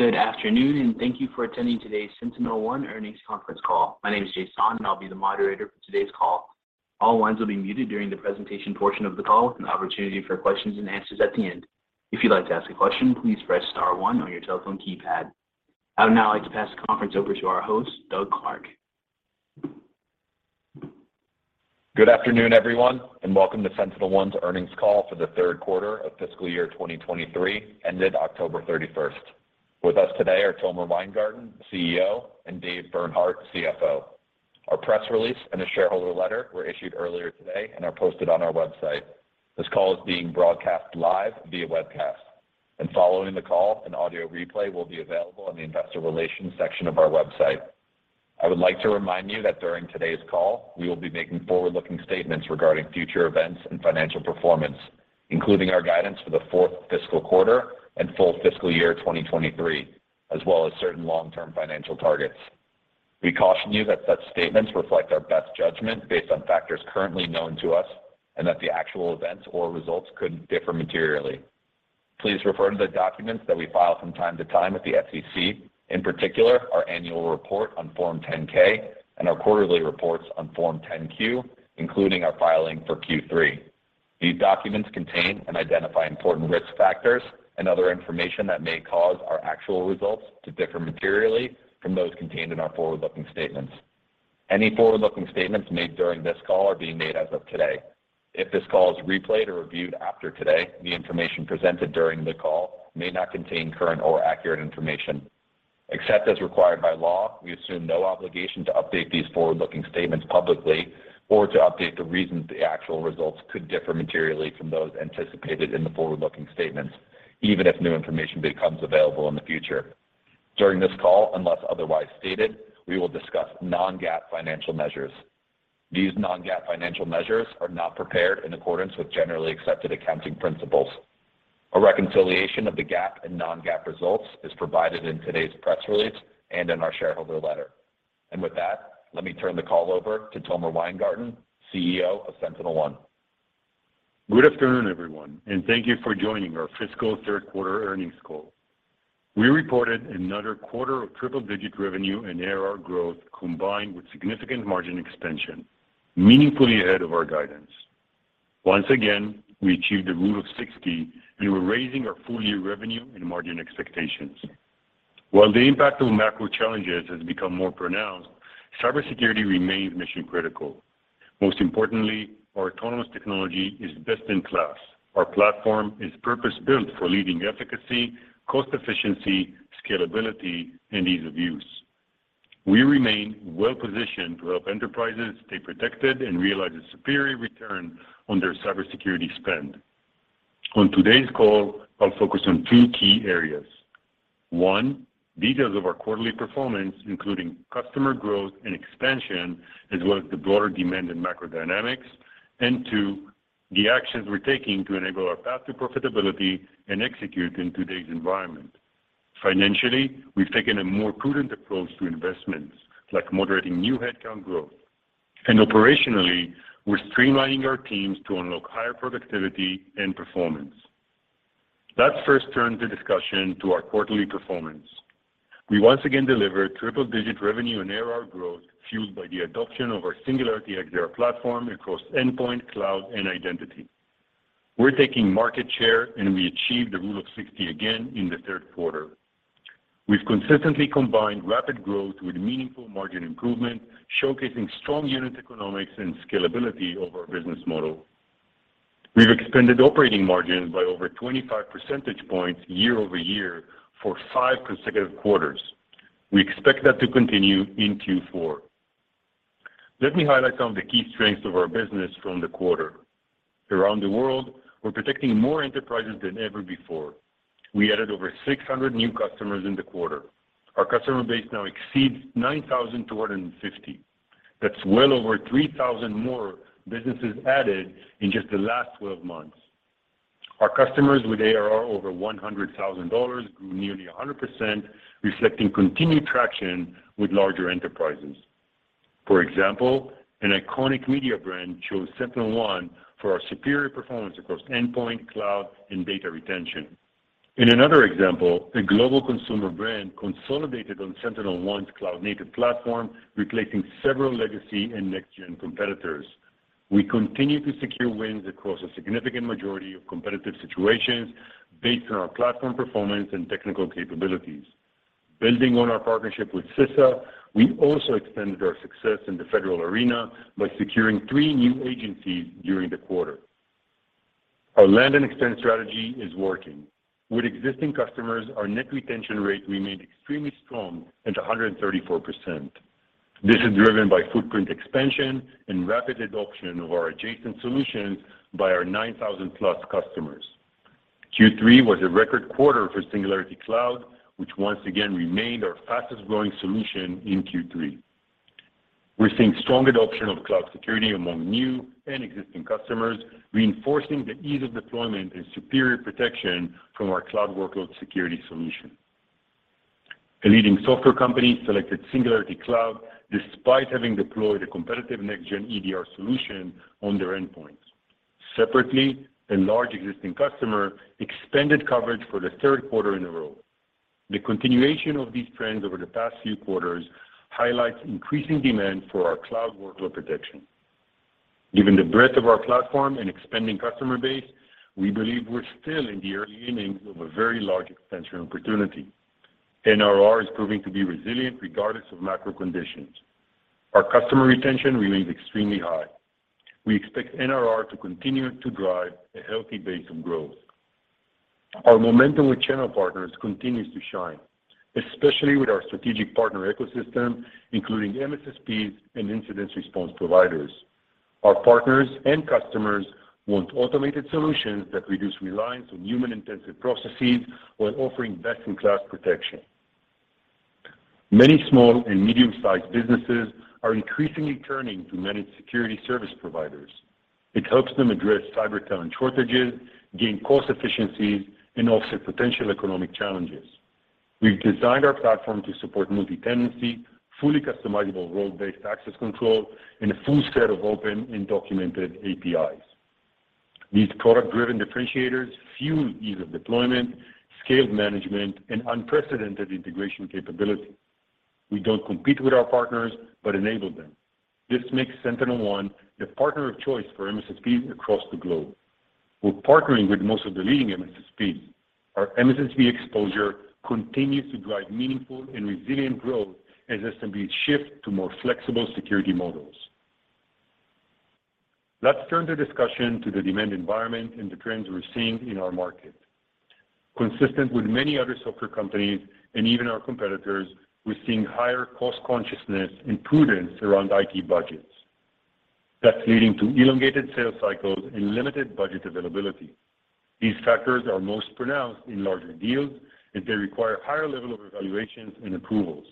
Good afternoon. Thank you for attending today's SentinelOne Earnings Conference Call. My name is Jason, and I'll be the moderator for today's call. All lines will be muted during the presentation portion of the call with an opportunity for questions and answers at the end. If you'd like to ask a question, please press star one on your telephone keypad. I would now like to pass the conference over to our host, Doug Clark. Good afternoon, everyone, and welcome to SentinelOne's earnings call for the 3rd quarter of fiscal year 2023, ended October 31st. With us today are Tomer Weingarten, CEO, and Dave Bernhardt, CFO. Our press release and a shareholder letter were issued earlier today and are posted on our website. This call is being broadcast live via webcast. Following the call, an audio replay will be available on the Investor Relations section of our website. I would like to remind you that during today's call, we will be making forward-looking statements regarding future events and financial performance, including our guidance for the 4th fiscal quarter and full fiscal year 2023, as well as certain long-term financial targets. We caution you that such statements reflect our best judgment based on factors currently known to us and that the actual events or results could differ materially. Please refer to the documents that we file from time to time with the SEC, in particular, our annual report on Form 10-K and our quarterly reports on Form 10-Q, including our filing for Q3. These documents contain and identify important risk factors and other information that may cause our actual results to differ materially from those contained in our forward-looking statements. Any forward-looking statements made during this call are being made as of today. If this call is replayed or reviewed after today, the information presented during the call may not contain current or accurate information. Except as required by law, we assume no obligation to update these forward-looking statements publicly or to update the reasons the actual results could differ materially from those anticipated in the forward-looking statements, even if new information becomes available in the future. During this call, unless otherwise stated, we will discuss non-GAAP financial measures. These non-GAAP financial measures are not prepared in accordance with generally accepted accounting principles. A reconciliation of the GAAP and non-GAAP results is provided in today's press release and in our shareholder letter. With that, let me turn the call over to Tomer Weingarten, CEO of SentinelOne. Good afternoon, everyone, thank you for joining our Fiscal Third Quarter Earnings Call. We reported another quarter of triple-digit revenue and ARR growth combined with significant margin expansion, meaningfully ahead of our guidance. Once again, we achieved a rule of 60, and we're raising our full-year revenue and margin expectations. While the impact of macro challenges has become more pronounced, cybersecurity remains mission-critical. Most importantly, our autonomous technology is best in class. Our platform is purpose-built for leading efficacy, cost efficiency, scalability, and ease of use. We remain well-positioned to help enterprises stay protected and realize a superior return on their cybersecurity spend. On today's call, I'll focus on three key areas. One, details of our quarterly performance, including customer growth and expansion, as well as the broader demand in macro dynamics. Two, the actions we're taking to enable our path to profitability and execute in today's environment. Financially, we've taken a more prudent approach to investments like moderating new headcount growth. Operationally, we're streamlining our teams to unlock higher productivity and performance. Let's first turn the discussion to our quarterly performance. We once again delivered triple-digit revenue and ARR growth fueled by the adoption of our Singularity XDR Platform across endpoint, cloud, and identity. We're taking market share, and we achieved a rule of 60 again in the third quarter. We've consistently combined rapid growth with meaningful margin improvement, showcasing strong unit economics and scalability of our business model. We've expanded operating margin by over 25 percentage points year-over-year for five consecutive quarters. We expect that to continue in Q4. Let me highlight some of the key strengths of our business from the quarter. Around the world, we're protecting more enterprises than ever before. We added over 600 new customers in the quarter. Our customer base now exceeds 9,250. That's well over 3,000 more businesses added in just the last 12 months. Our customers with ARR over $100,000 grew nearly 100%, reflecting continued traction with larger enterprises. For example, an iconic media brand chose SentinelOne for our superior performance across endpoint, cloud, and data retention. In another example, a global consumer brand consolidated on SentinelOne's cloud-native platform, replacing several legacy and next-gen competitors. We continue to secure wins across a significant majority of competitive situations based on our platform performance and technical capabilities. Building on our partnership with CISA, we also expanded our success in the federal arena by securing three new agencies during the quarter. Our land and extend strategy is working. With existing customers, our net retention rate remained extremely strong at 134%. This is driven by footprint expansion and rapid adoption of our adjacent solutions by our 9,000+ customers. Q3 was a record quarter for Singularity Cloud, which once again remained our fastest-growing solution in Q3. We're seeing strong adoption of cloud security among new and existing customers, reinforcing the ease of deployment and superior protection from our cloud workload security solution. A leading software company selected Singularity Cloud despite having deployed a competitive next-gen EDR solution on their endpoints. Separately, a large existing customer expanded coverage for the third quarter in a row. The continuation of these trends over the past few quarters highlights increasing demand for our cloud workload protection. Given the breadth of our platform and expanding customer base, we believe we're still in the early innings of a very large expansion opportunity. NRR is proving to be resilient regardless of macro conditions. Our customer retention remains extremely high. We expect NRR to continue to drive a healthy base of growth. Our momentum with channel partners continues to shine, especially with our strategic partner ecosystem, including MSSPs and incident response providers. Our partners and customers want automated solutions that reduce reliance on human-intensive processes while offering best-in-class protection. Many small and medium-sized businesses are increasingly turning to managed security service providers. It helps them address cyber talent shortages, gain cost efficiencies, and offset potential economic challenges. We've designed our platform to support multi-tenancy, fully customizable role-based access control, and a full set of open and documented APIs. These product-driven differentiators fuel ease of deployment, scaled management, and unprecedented integration capability. We don't compete with our partners but enable them. This makes SentinelOne the partner of choice for MSSPs across the globe. We're partnering with most of the leading MSSPs. Our MSSP exposure continues to drive meaningful and resilient growth as SMBs shift to more flexible security models. Let's turn the discussion to the demand environment and the trends we're seeing in our market. Consistent with many other software companies and even our competitors, we're seeing higher cost consciousness and prudence around IT budgets. That's leading to elongated sales cycles and limited budget availability. These factors are most pronounced in larger deals, and they require higher level of evaluations and approvals.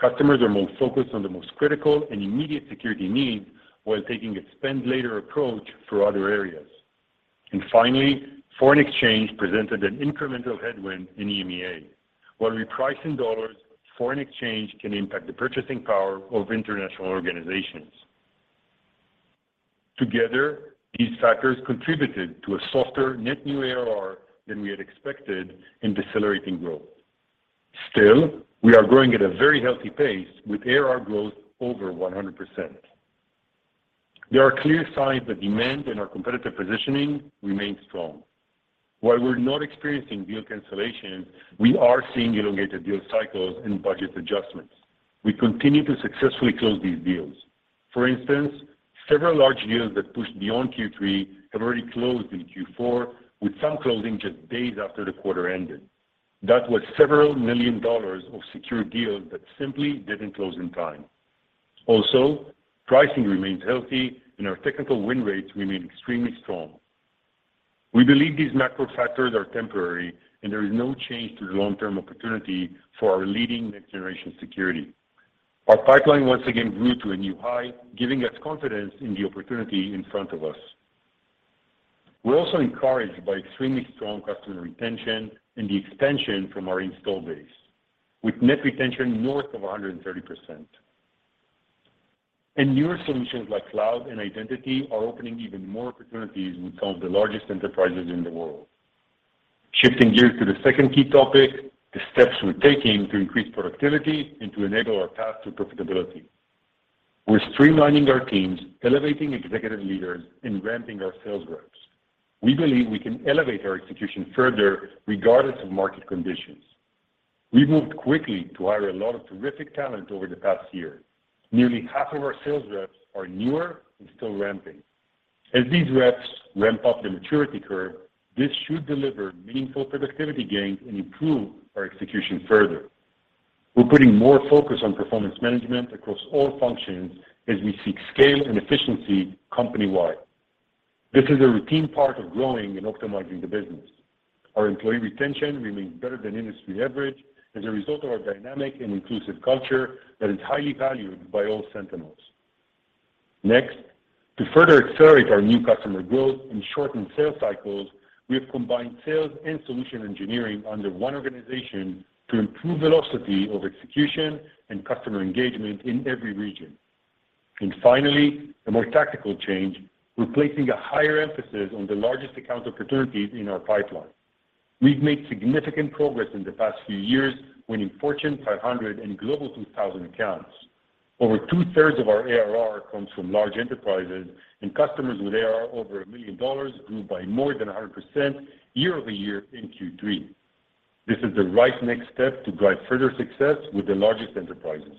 Customers are more focused on the most critical and immediate security needs while taking a spend later approach for other areas. Finally, foreign exchange presented an incremental headwind in EMEA. While repriced in dollars, foreign exchange can impact the purchasing power of international organizations. Together, these factors contributed to a softer net new ARR than we had expected and decelerating growth. Still, we are growing at a very healthy pace with ARR growth over 100%. There are clear signs that demand and our competitive positioning remain strong. While we're not experiencing deal cancellations, we are seeing elongated deal cycles and budget adjustments. We continue to successfully close these deals. For instance, several large deals that pushed beyond Q3 have already closed in Q4, with some closing just days after the quarter ended. That was $several million of secured deals that simply didn't close in time. Pricing remains healthy and our technical win rates remain extremely strong. We believe these macro factors are temporary. There is no change to the long-term opportunity for our leading next-generation security. Our pipeline once again grew to a new high, giving us confidence in the opportunity in front of us. We're also encouraged by extremely strong customer retention and the expansion from our install base, with net retention north of 130%. Newer solutions like cloud and identity are opening even more opportunities with some of the largest enterprises in the world. Shifting gears to the second key topic, the steps we're taking to increase productivity and to enable our path to profitability. We're streamlining our teams, elevating executive leaders, and ramping our sales reps. We believe we can elevate our execution further regardless of market conditions. We've moved quickly to hire a lot of terrific talent over the past year. Nearly half of our sales reps are newer and still ramping. As these reps ramp up the maturity curve, this should deliver meaningful productivity gains and improve our execution further. We're putting more focus on performance management across all functions as we seek scale and efficiency company-wide. This is a routine part of growing and optimizing the business. Our employee retention remains better than industry average as a result of our dynamic and inclusive culture that is highly valued by all Sentinels. Next, to further accelerate our new customer growth and shorten sales cycles, we have combined sales and solution engineering under one organization to improve velocity of execution and customer engagement in every region. Finally, a more tactical change, we're placing a higher emphasis on the largest account opportunities in our pipeline. We've made significant progress in the past few years, winning Fortune 500 and Global 2000 accounts. Over two-thirds of our ARR comes from large enterprises, and customers with ARR over $1 million grew by more than 100% year-over-year in Q3. This is the right next step to drive further success with the largest enterprises.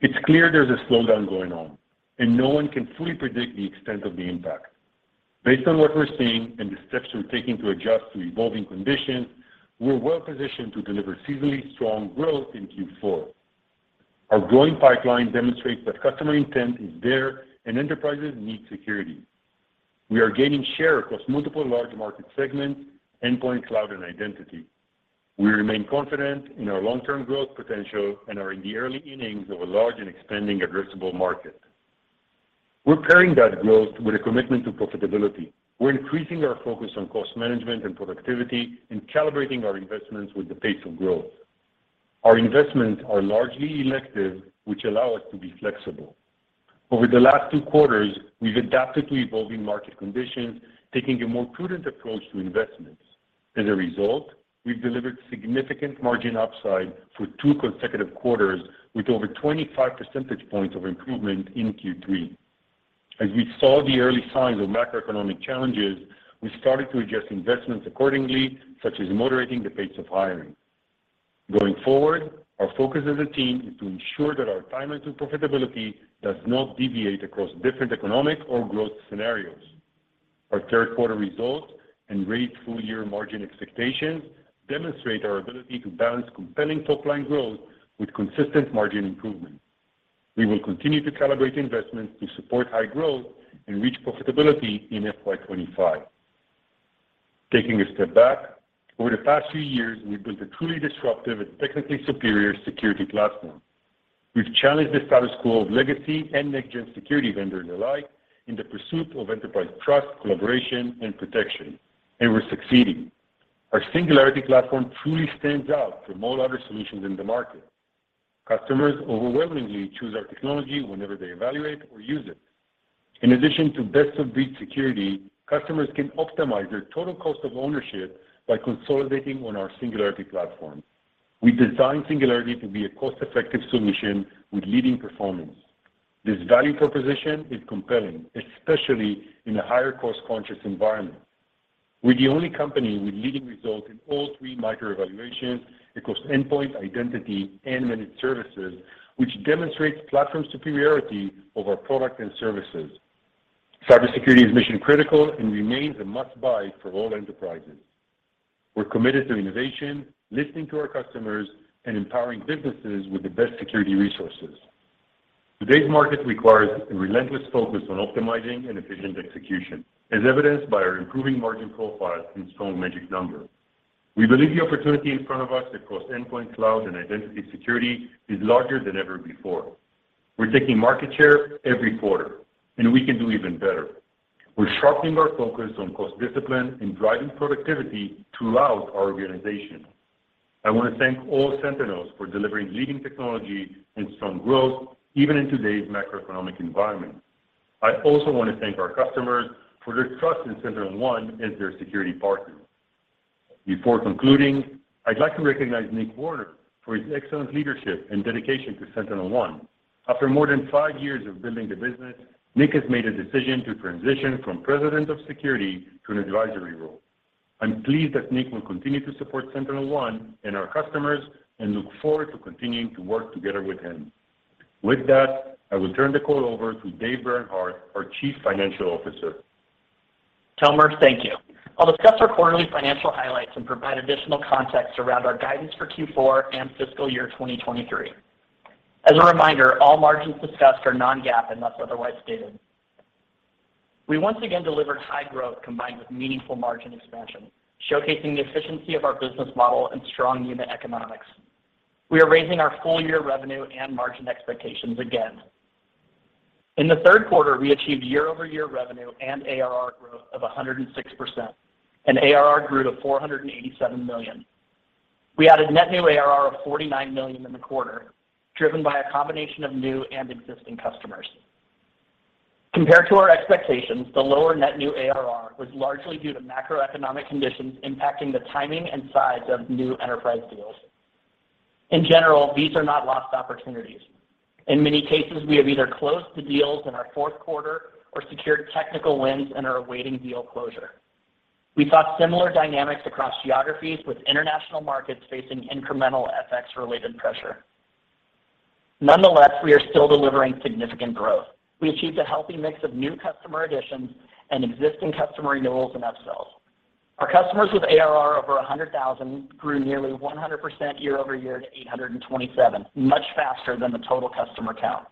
It's clear there's a slowdown going on, and no one can fully predict the extent of the impact. Based on what we're seeing and the steps we're taking to adjust to evolving conditions, we're well positioned to deliver seasonally strong growth in Q4. Our growing pipeline demonstrates that customer intent is there, and enterprises need security. We are gaining share across multiple large market segments, endpoint, cloud, and identity. We remain confident in our long-term growth potential and are in the early innings of a large and expanding addressable market. We're pairing that growth with a commitment to profitability. We're increasing our focus on cost management and productivity and calibrating our investments with the pace of growth. Our investments are largely elective, which allow us to be flexible. Over the last two quarters, we've adapted to evolving market conditions, taking a more prudent approach to investments. As a result, we've delivered significant margin upside for two consecutive quarters with over 25 percentage points of improvement in Q3. As we saw the early signs of macroeconomic challenges, we started to adjust investments accordingly, such as moderating the pace of hiring. Going forward, our focus as a team is to ensure that our financial profitability does not deviate across different economic or growth scenarios. Our third quarter results and great full-year margin expectations demonstrate our ability to balance compelling top-line growth with consistent margin improvement. We will continue to calibrate investments to support high growth and reach profitability in FY 2025. Taking a step back, over the past few years, we've built a truly disruptive and technically superior security platform. We've challenged the status quo of legacy and next-gen security vendors alike in the pursuit of enterprise trust, collaboration, and protection, and we're succeeding. Our Singularity Platform truly stands out from all other solutions in the market. Customers overwhelmingly choose our technology whenever they evaluate or use it. In addition to best-of-breed security, customers can optimize their total cost of ownership by consolidating on our Singularity Platform. We designed Singularity to be a cost-effective solution with leading performance. This value proposition is compelling, especially in a higher cost-conscious environment. We're the only company with leading results in all three MITRE evaluations across endpoint, identity, and managed services, which demonstrates platform superiority of our product and services. Cybersecurity is mission-critical and remains a must-buy for all enterprises. We're committed to innovation, listening to our customers, and empowering businesses with the best security resources. Today's market requires a relentless focus on optimizing and efficient execution, as evidenced by our improving margin profile and strong Magic Number. We believe the opportunity in front of us across endpoint, cloud, and identity security is larger than ever before. We're taking market share every quarter, and we can do even better. We're sharpening our focus on cost discipline and driving productivity throughout our organization. I want to thank all Sentinels for delivering leading technology and strong growth, even in today's macroeconomic environment. I also want to thank our customers for their trust in SentinelOne as their security partner. Before concluding, I'd like to recognize Nick Warner for his excellent leadership and dedication to SentinelOne. After more than five years of building the business, Nick has made a decision to transition from President of Security to an advisory role. I'm pleased that Nick will continue to support SentinelOne and our customers and look forward to continuing to work together with him. With that, I will turn the call over to Dave Bernhardt, our Chief Financial Officer. Tomer, thank you. I'll discuss our quarterly financial highlights and provide additional context around our guidance for Q4 and fiscal year 2023. As a reminder, all margins discussed are non-GAAP unless otherwise stated. We once again delivered high growth combined with meaningful margin expansion, showcasing the efficiency of our business model and strong unit economics. We are raising our full-year revenue and margin expectations again. In the third quarter, we achieved year-over-year revenue and ARR growth of 106%, and ARR grew to $487 million. We added net new ARR of $49 million in the quarter, driven by a combination of new and existing customers. Compared to our expectations, the lower net new ARR was largely due to macroeconomic conditions impacting the timing and size of new enterprise deals. In general, these are not lost opportunities. In many cases, we have either closed the deals in our fourth quarter or secured technical wins and are awaiting deal closure. We saw similar dynamics across geographies, with international markets facing incremental FX-related pressure. Nonetheless, we are still delivering significant growth. We achieved a healthy mix of new customer additions and existing customer renewals and upsells. Our customers with ARR over $100,000 grew nearly 100% year-over-year to 827, much faster than the total customer count.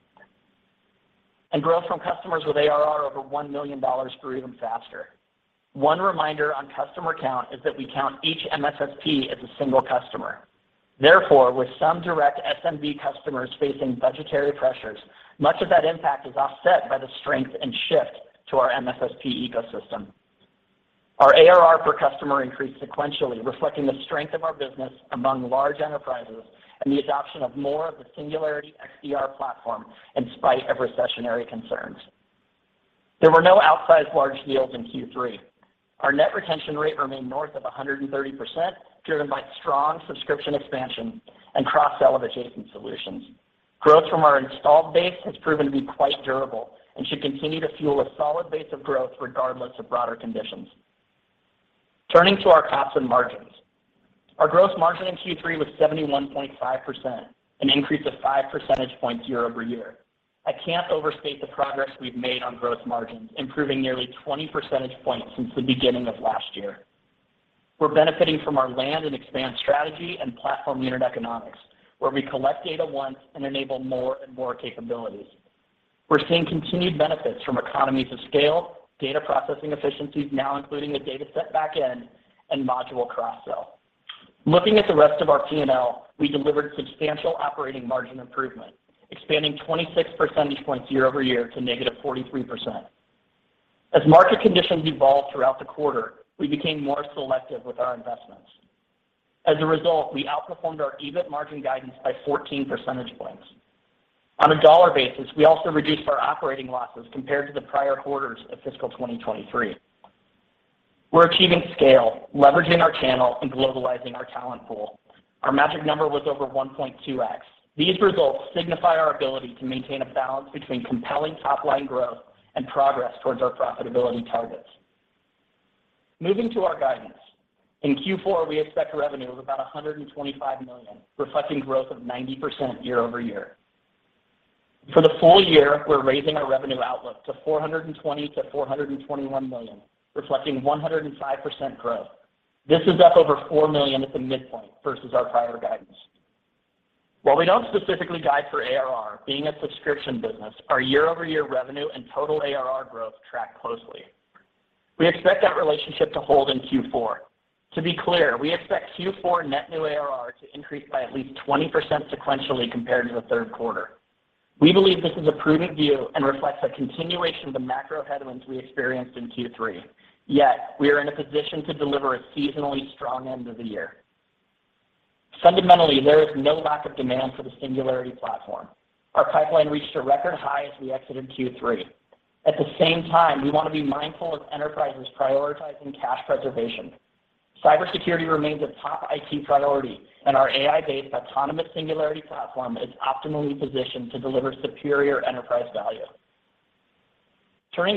Growth from customers with ARR over $1 million grew even faster. One reminder on customer count is that we count each MSSP as a single customer. Therefore, with some direct SMB customers facing budgetary pressures, much of that impact is offset by the strength and shift to our MSSP ecosystem. Our ARR per customer increased sequentially, reflecting the strength of our business among large enterprises and the adoption of more of the Singularity XDR platform in spite of recessionary concerns. There were no outsized large deals in Q3. Our net retention rate remained north of 130%, driven by strong subscription expansion and cross-sell of adjacent solutions. Growth from our installed base has proven to be quite durable and should continue to fuel a solid base of growth regardless of broader conditions. Turning to our costs and margins. Our gross margin in Q3 was 71.5%, an increase of 5 percentage points year-over-year. I can't overstate the progress we've made on gross margins, improving nearly 20 percentage points since the beginning of last year. We're benefiting from our land and expand strategy and platform unit economics, where we collect data once and enable more and more capabilities. We're seeing continued benefits from economies of scale, data processing efficiencies now including a DataSet backend, and module cross-sell. Looking at the rest of our P&L, we delivered substantial operating margin improvement, expanding 26 percentage points year-over-year to -43%. As market conditions evolved throughout the quarter, we became more selective with our investments. As a result, we outperformed our EBIT margin guidance by 14 percentage points. On a dollar basis, we also reduced our operating losses compared to the prior quarters of fiscal 2023. We're achieving scale, leveraging our channel, and globalizing our talent pool. Our Magic Number was over 1.2x. These results signify our ability to maintain a balance between compelling top-line growth and progress towards our profitability targets. Moving to our guidance. In Q4, we expect revenue of about $125 million, reflecting growth of 90% year-over-year. For the full year, we're raising our revenue outlook to $420 million-$421 million, reflecting 105% growth. This is up over $4 million at the midpoint versus our prior guidance. While we don't specifically guide for ARR, being a subscription business, our year-over-year revenue and total ARR growth track closely. We expect that relationship to hold in Q4. To be clear, we expect Q4 net new ARR to increase by at least 20% sequentially compared to the third quarter. We believe this is a prudent view and reflects a continuation of the macro headwinds we experienced in Q3. We are in a position to deliver a seasonally strong end of the year. Fundamentally, there is no lack of demand for the Singularity Platform. Our pipeline reached a record high as we exited Q3. At the same time, we wanna be mindful of enterprises prioritizing cash preservation. Cybersecurity remains a top IT priority. Our AI-based autonomous Singularity Platform is optimally positioned to deliver superior enterprise value.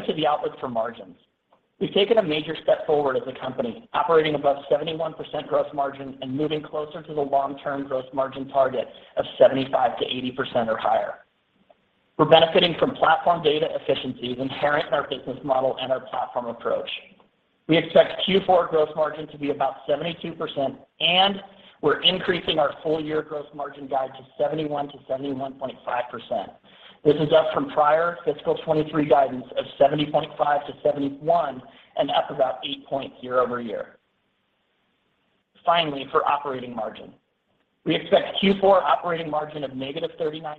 To the outlook for margins. We've taken a major step forward as a company, operating above 71% gross margin and moving closer to the long-term gross margin target of 75%-80% or higher. We're benefiting from platform data efficiencies inherent in our business model and our platform approach. We expect Q4 gross margin to be about 72%, and we're increasing our full year gross margin guide to 71%-71.5%. This is up from prior fiscal 23 guidance of 70.5%-71% and up about 8 points year-over-year. Finally, for operating margin. We expect Q4 operating margin of -39%,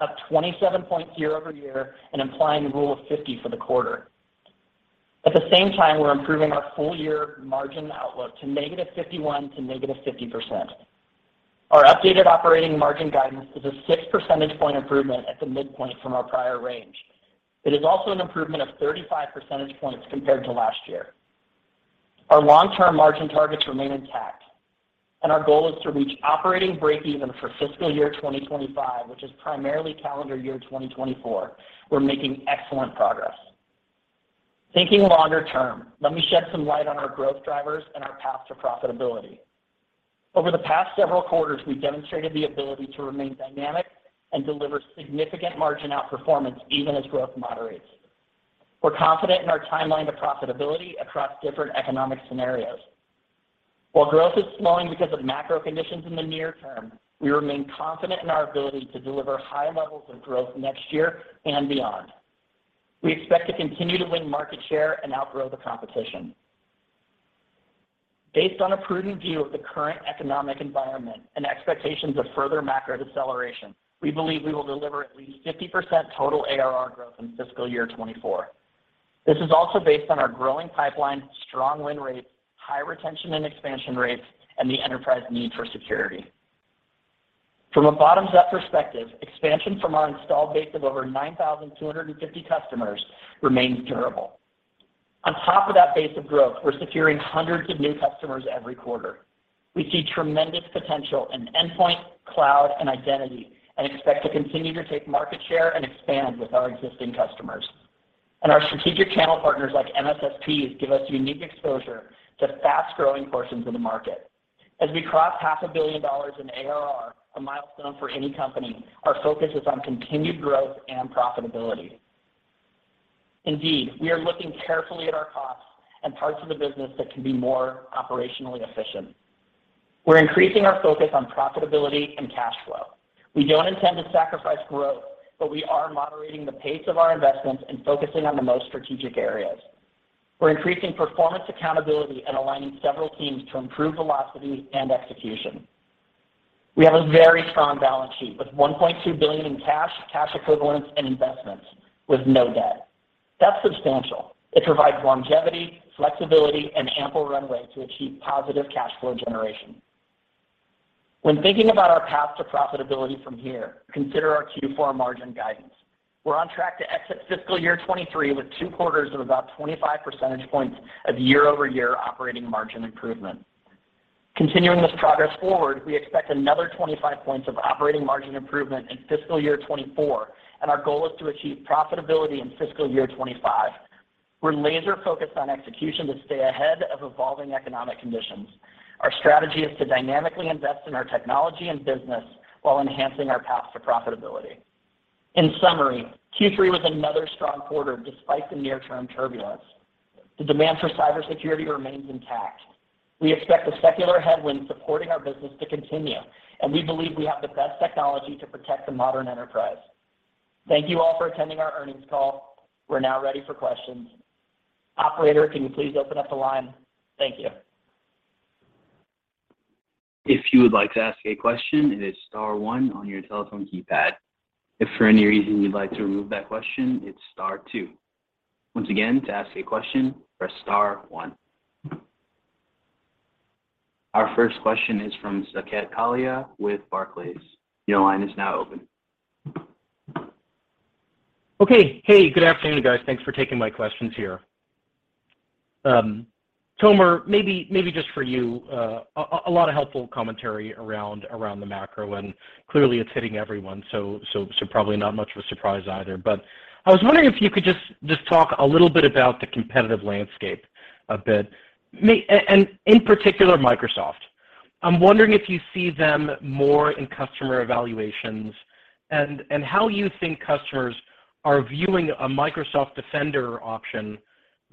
up 27 points year-over-year and implying the rule of 50 for the quarter. At the same time, we're improving our full year margin outlook to -51% to -50%. Our updated operating margin guidance is a 6 percentage point improvement at the midpoint from our prior range. It is also an improvement of 35 percentage points compared to last year. Our long-term margin targets remain intact, and our goal is to reach operating breakeven for fiscal year 2025, which is primarily calendar year 2024. We're making excellent progress. Thinking longer term, let me shed some light on our growth drivers and our path to profitability. Over the past several quarters, we've demonstrated the ability to remain dynamic and deliver significant margin outperformance even as growth moderates. We're confident in our timeline to profitability across different economic scenarios. While growth is slowing because of macro conditions in the near term, we remain confident in our ability to deliver high levels of growth next year and beyond. We expect to continue to win market share and outgrow the competition. Based on a prudent view of the current economic environment and expectations of further macro deceleration, we believe we will deliver at least 50% total ARR growth in fiscal year 2024. This is also based on our growing pipeline, strong win rates, high retention and expansion rates, and the enterprise need for security. From a bottoms-up perspective, expansion from our installed base of over 9,250 customers remains durable. On top of that base of growth, we're securing hundreds of new customers every quarter. We see tremendous potential in endpoint, cloud, and identity, and expect to continue to take market share and expand with our existing customers. Our strategic channel partners like MSSPs give us unique exposure to fast-growing portions of the market. As we cross half a billion dollars in ARR, a milestone for any company, our focus is on continued growth and profitability. We are looking carefully at our costs and parts of the business that can be more operationally efficient. We're increasing our focus on profitability and cash flow. We don't intend to sacrifice growth, but we are moderating the pace of our investments and focusing on the most strategic areas. We're increasing performance accountability and aligning several teams to improve velocity and execution. We have a very strong balance sheet with $1.2 billion in cash equivalents, and investments with no debt. That's substantial. It provides longevity, flexibility, and ample runway to achieve positive cash flow generation. When thinking about our path to profitability from here, consider our Q4 margin guidance. We're on track to exit fiscal year 2023 with two quarters of about 25 percentage points of year-over-year operating margin improvement. Continuing this progress forward, we expect another 25 points of operating margin improvement in fiscal year 2024. Our goal is to achieve profitability in fiscal year 2025. We're laser-focused on execution to stay ahead of evolving economic conditions. Our strategy is to dynamically invest in our technology and business while enhancing our path to profitability. In summary, Q3 was another strong quarter despite the near-term turbulence. The demand for cybersecurity remains intact. We expect the secular headwind supporting our business to continue. We believe we have the best technology to protect the modern enterprise. Thank you all for attending our earnings call. We're now ready for questions. Operator, can you please open up the line? Thank you. If you would like to ask a question, it is star one on your telephone keypad. If for any reason you'd like to remove that question, it's star two. Once again, to ask a question, press star one. Our first question is from Saket Kalia with Barclays. Your line is now open. Okay. Hey, good afternoon, guys. Thanks for taking my questions here. Tomer, maybe just for you, a lot of helpful commentary around the macro, and clearly it's hitting everyone, so probably not much of a surprise either. I was wondering if you could just talk a little bit about the competitive landscape a bit. And in particular Microsoft. I'm wondering if you see them more in customer evaluations and how you think customers are viewing a Microsoft Defender option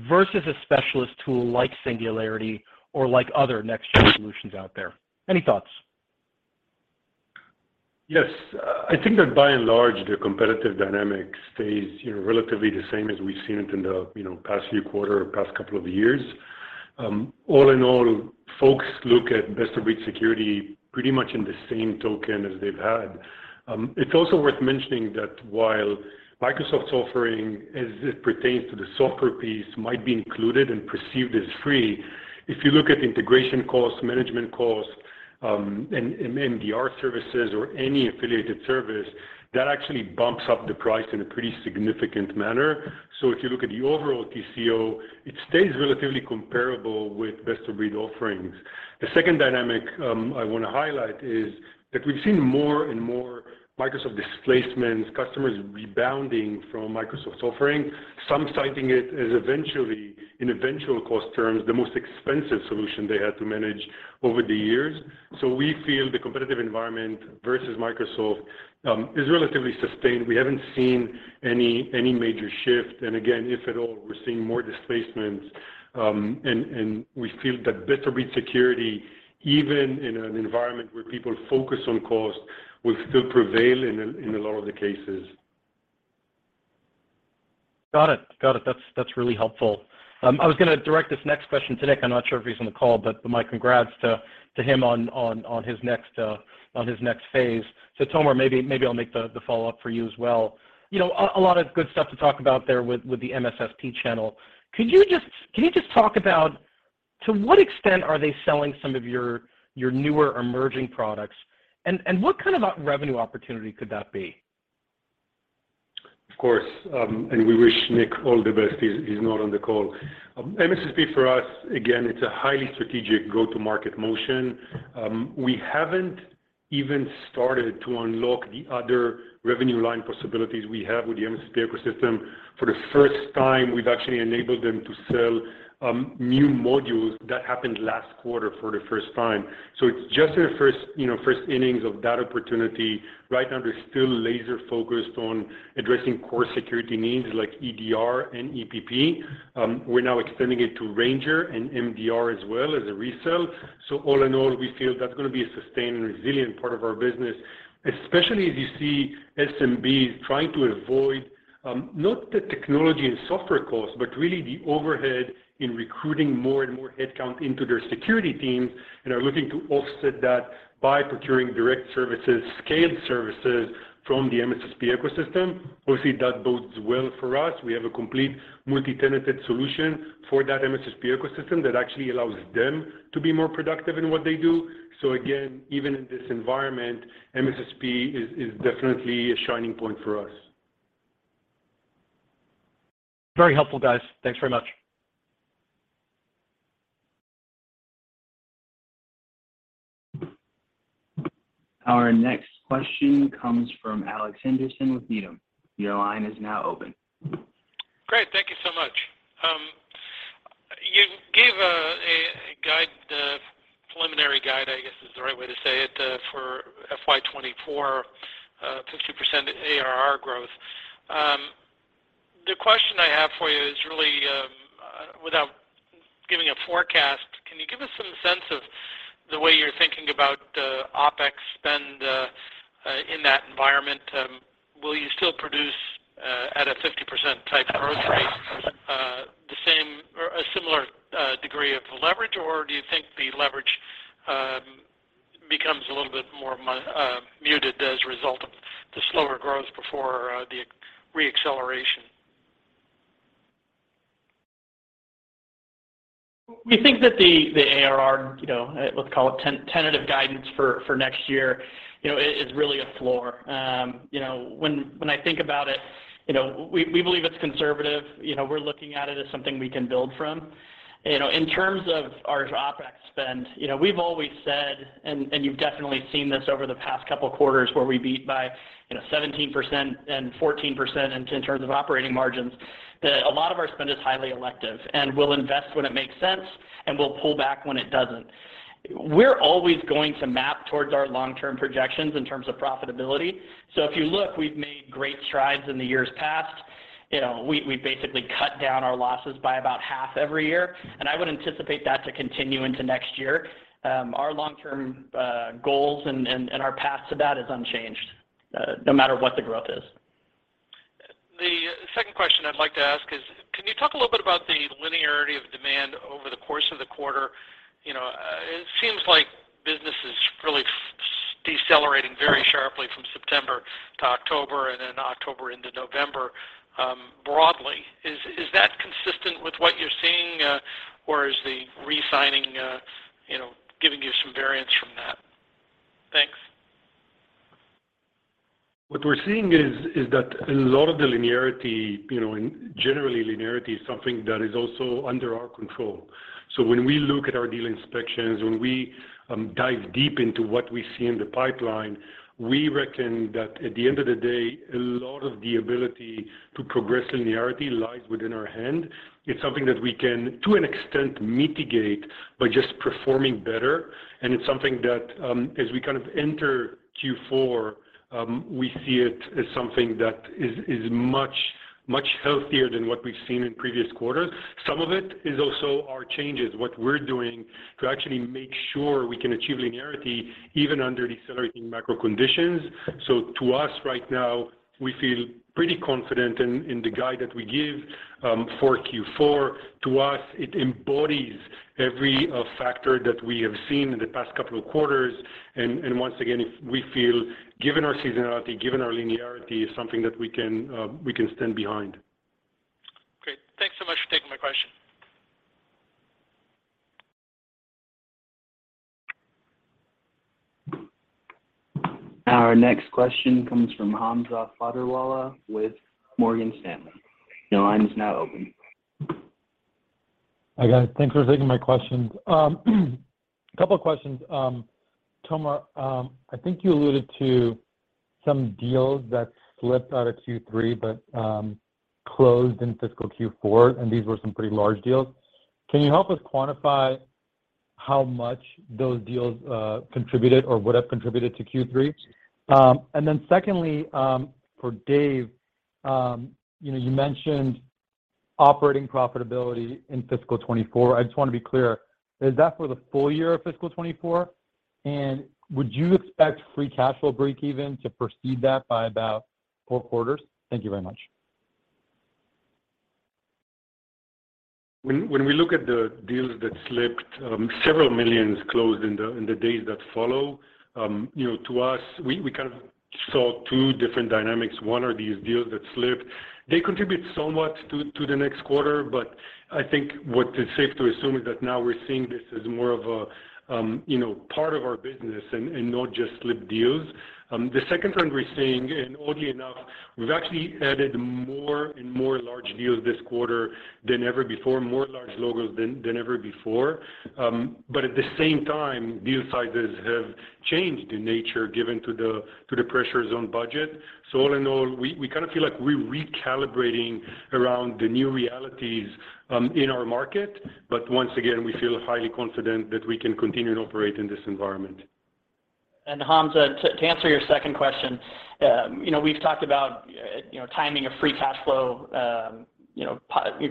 versus a specialist tool like Singularity or like other next-gen solutions out there. Any thoughts? I think that by and large, the competitive dynamic stays, you know, relatively the same as we've seen it in the, you know, past few quarter or past couple of years. All in all, folks look at best-of-breed security pretty much in the same token as they've had. It's also worth mentioning that while Microsoft's offering, as it pertains to the software piece, might be included and perceived as free, if you look at integration costs, management costs, and MDR services or any affiliated service, that actually bumps up the price in a pretty significant manner. If you look at the overall TCO, it stays relatively comparable with best-of-breed offerings. The second dynamic, I wanna highlight is that we've seen more and more Microsoft displacements, customers rebounding from Microsoft's offering, some citing it as in eventual cost terms, the most expensive solution they had to manage over the years. We feel the competitive environment versus Microsoft is relatively sustained. We haven't seen any major shift. Again, if at all, we're seeing more displacements, and we feel that best-of-breed security, even in an environment where people focus on cost, will still prevail in a lot of the cases. Got it. That's really helpful. I was gonna direct this next question to Nick. I'm not sure if he's on the call, but my congrats to him on his next phase. Tomer, maybe I'll make the follow-up for you as well. You know, a lot of good stuff to talk about there with the MSSP channel. Can you just talk about to what extent are they selling some of your newer emerging products, and what kind of a revenue opportunity could that be? Of course. We wish Nick all the best. He's not on the call. MSSP for us, again, it's a highly strategic go-to-market motion. We haven't even started to unlock the other revenue line possibilities we have with the MSSP ecosystem. For the first time, we've actually enabled them to sell new modules. That happened last quarter for the first time. It's just their first, you know, first innings of that opportunity. Right now, they're still laser-focused on addressing core security needs like EDR and EPP. We're now extending it to Ranger and MDR as well as a resell. All in all, we feel that's gonna be a sustained and resilient part of our business, especially as you see SMB trying to avoid, not the technology and software costs, but really the overhead in recruiting more and more headcount into their security teams and are looking to offset that by procuring direct services, scaled services from the MSSP ecosystem. Obviously, that bodes well for us. We have a complete multi-tenanted solution for that MSSP ecosystem that actually allows them to be more productive in what they do. Again, even in this environment, MSSP is definitely a shining point for us. Very helpful, guys. Thanks very much. Our next question comes from Alex Henderson with Needham. Your line is now open. Great. Thank you so much. You gave a guide, preliminary guide, I guess is the right way to say it, for FY 2024, 50% ARR growth. The question I have for you is really, without giving a forecast, can you give us some sense of the way you're thinking about OpEx spend in that environment? Will you still produce at a 50% type growth rate, the same or a similar degree of leverage, or do you think the leverage becomes a little bit more muted as a result of the slower growth before the reacceleration? We think that the ARR, you know, let's call it tentative guidance for next year, you know, is really a floor. You know, when I think about it, you know, we believe it's conservative. You know, we're looking at it as something we can build from. You know, in terms of our OpEx spend, you know, we've always said, and you've definitely seen this over the past couple quarters where we beat by, you know, 17% and 14% in terms of operating margins, that a lot of our spend is highly elective, and we'll invest when it makes sense, and we'll pull back when it doesn't. We're always going to map towards our long-term projections in terms of profitability. If you look, we've made great strides in the years past. You know, we basically cut down our losses by about half every year, and I would anticipate that to continue into next year. Our long-term goals and our path to that is unchanged, no matter what the growth is. I'd like to ask is, can you talk a little bit about the linearity of demand over the course of the quarter? You know, it seems like business is really decelerating very sharply from September to October, and then October into November, broadly. Is that consistent with what you're seeing, or is the resigning, you know, giving you some variance from that? Thanks. What we're seeing is that a lot of the linearity, you know, and generally linearity is something that is also under our control. When we look at our deal inspections, when we dive deep into what we see in the pipeline, we reckon that at the end of the day, a lot of the ability to progress linearity lies within our hand. It's something that we can, to an extent, mitigate by just performing better, and it's something that, as we kind of enter Q4, we see it as something that is much healthier than what we've seen in previous quarters. Some of it is also our changes, what we're doing to actually make sure we can achieve linearity even under decelerating macro conditions. To us right now, we feel pretty confident in the guide that we give for Q4. To us, it embodies every factor that we have seen in the past couple of quarters. Once again, if we feel given our seasonality, given our linearity, is something that we can stand behind. Great. Thanks so much for taking my question. Our next question comes from Hamza Fodderwala with Morgan Stanley. Your line is now open. Hi, guys. Thanks for taking my questions. couple of questions. Tomer, I think you alluded to some deals that slipped out of Q3 but closed in fiscal Q4, and these were some pretty large deals. Can you help us quantify how much those deals contributed or would have contributed to Q3? Secondly, for Dave, you know, you mentioned operating profitability in fiscal 2024. I just want to be clear, is that for the full year of fiscal 2024? Would you expect free cash flow breakeven to precede that by about four quarters? Thank you very much. When we look at the deals that slipped, several millions closed in the days that follow. You know, to us, we kind of saw two different dynamics. One are these deals that slipped. They contribute somewhat to the next quarter, but I think what is safe to assume is that now we're seeing this as more of a, you know, part of our business and not just slipped deals. The second trend we're seeing, and oddly enough, we've actually added more and more large deals this quarter than ever before, more large logos than ever before. At the same time, deal sizes have changed in nature, given to the pressures on budget. All in all, we kinda feel like we're recalibrating around the new realities in our market. Once again, we feel highly confident that we can continue to operate in this environment. Hamza, to answer your second question, you know, we've talked about, you know, timing of free cash flow, you know,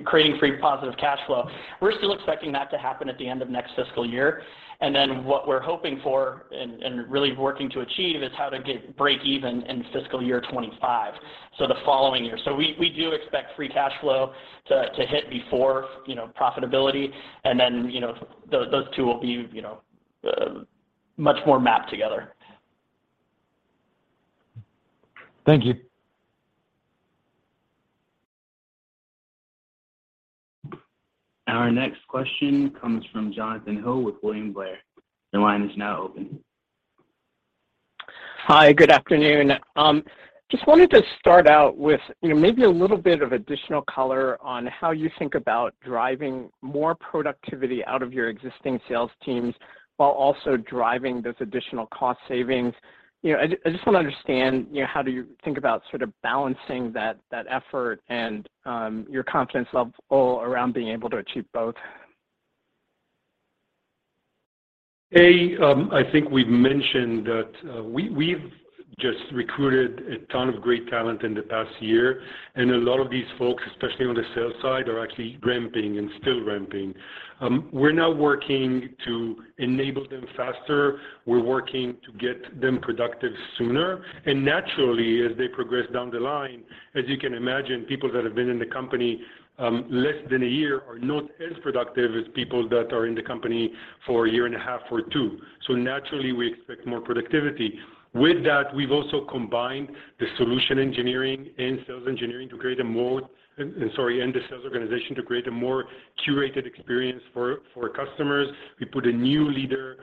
creating free positive cash flow. We're still expecting that to happen at the end of next fiscal year. What we're hoping for and really working to achieve is how to get breakeven in fiscal year 25, so the following year. We do expect free cash flow to hit before, you know, profitability. Then, you know, those two will be, you know, much more mapped together. Thank you. Our next question comes from Jonathan Ruykhaver with William Blair. Your line is now open. Hi, good afternoon. Just wanted to start out with, you know, maybe a little bit of additional color on how you think about driving more productivity out of your existing sales teams while also driving those additional cost savings. You know, I just wanna understand, you know, how do you think about sort of balancing that effort and your confidence level around being able to achieve both? I think we've mentioned that we've just recruited a ton of great talent in the past year, and a lot of these folks, especially on the sales side, are actually ramping and still ramping. We're now working to enable them faster. We're working to get them productive sooner. Naturally, as they progress down the line, as you can imagine, people that have been in the company less than a year are not as productive as people that are in the company for 1.5 or two years. Naturally, we expect more productivity. With that, we've also combined the solution engineering and sales engineering and the sales organization to create a more curated experience for customers. We put a new leader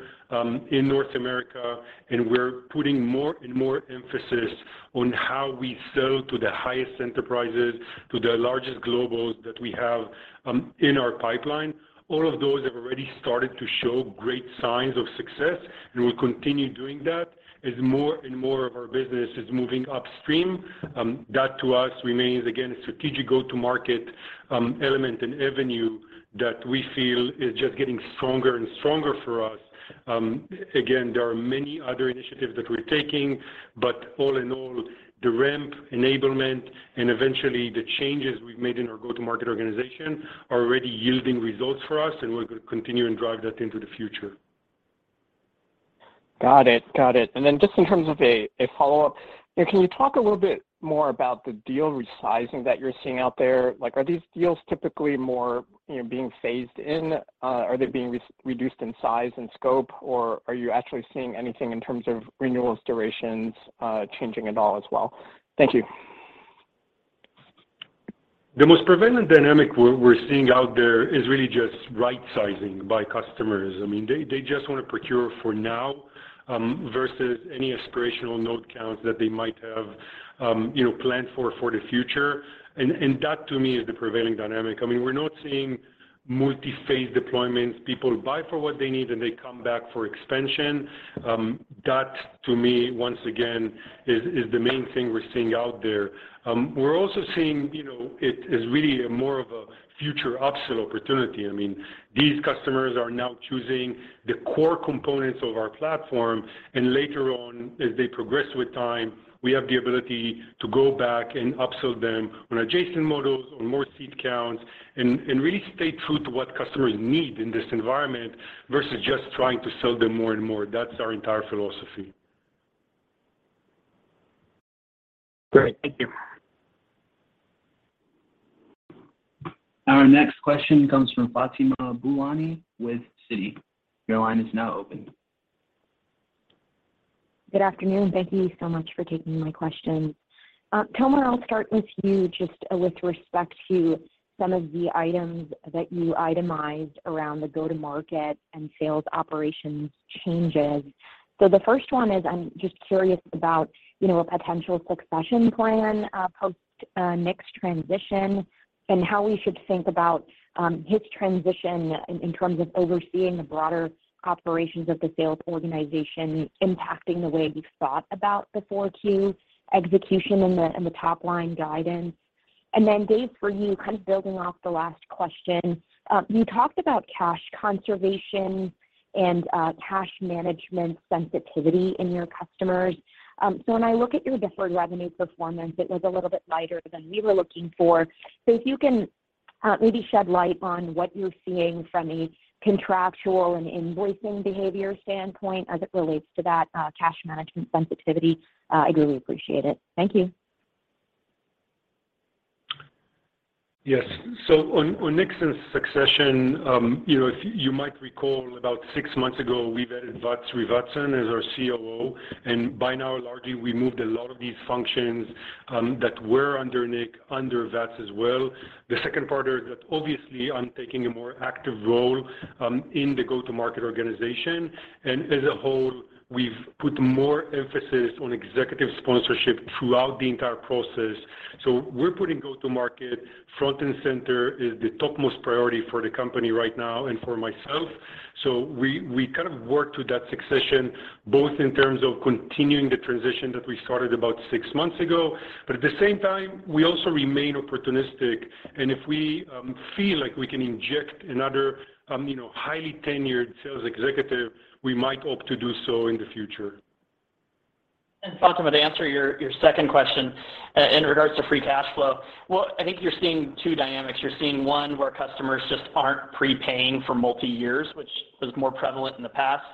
in North America. We're putting more and more emphasis on how we sell to the highest enterprises, to the largest globals that we have, in our pipeline. All of those have already started to show great signs of success. We'll continue doing that as more and more of our business is moving upstream. That to us remains, again, a strategic go-to-market element and avenue that we feel is just getting stronger and stronger for us. Again, there are many other initiatives that we're taking. All in all, the ramp enablement and eventually the changes we've made in our go-to-market organization are already yielding results for us. We're gonna continue and drive that into the future. Got it. Got it. Just in terms of a follow-up, can you talk a little bit more about the deal resizing that you're seeing out there? Like, are these deals typically more, you know, being phased in? Are they being reduced in size and scope? Or are you actually seeing anything in terms of renewals, durations, changing at all as well? Thank you. The most prevalent dynamic we're seeing out there is really just right-sizing by customers. I mean, they just wanna procure for now versus any aspirational node counts that they might have, you know, planned for the future. That to me is the prevailing dynamic. I mean, we're not seeing multi-phase deployments. People buy for what they need, and they come back for expansion. That to me once again is the main thing we're seeing out there. We're also seeing, you know, it as really more of a future upsell opportunity. I mean, these customers are now choosing the core components of our platform, and later on as they progress with time, we have the ability to go back and upsell them on adjacent models, on more seat counts and really stay true to what customers need in this environment versus just trying to sell them more and more. That's our entire philosophy. Great. Thank you. Our next question comes from Fatima Boolani with Citi. Your line is now open. Good afternoon. Thank you so much for taking my questions. Tomer, I'll start with you just with respect to some of the items that you itemized around the go-to-market and sales operations changes. The first one is, I'm just curious about, you know, a potential succession plan post Nick's transition and how we should think about his transition in terms of overseeing the broader operations of the sales organization impacting the way we've thought about the 4Q execution and the top line guidance. Dave, for you, kind of building off the last question, you talked about cash conservation and cash management sensitivity in your customers. When I look at your deferred revenue performance, it was a little bit lighter than we were looking for. if you can, maybe shed light on what you're seeing from a contractual and invoicing behavior standpoint as it relates to that, cash management sensitivity, I'd really appreciate it. Thank you. Yes. On Nick's succession, you know, if you might recall about six months ago, we vetted Vats Srivatsan as our COO, and by now largely we moved a lot of these functions that were under Nick, under Vats as well. The second part is that obviously I'm taking a more active role in the go-to-market organization. As a whole, we've put more emphasis on executive sponsorship throughout the entire process. We're putting go-to-market front and center is the topmost priority for the company right now and for myself. We kind of work to that succession both in terms of continuing the transition that we started about six months ago, but at the same time, we also remain opportunistic, and if we feel like we can inject another, you know, highly tenured sales executive, we might hope to do so in the future. Fatima, to answer your second question, in regards to free cash flow. Well, I think you're seeing two dynamics. You're seeing one where customers just aren't prepaying for multi-years, which was more prevalent in the past.